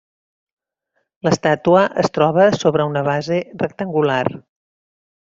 L'estàtua es troba sobre una base rectangular.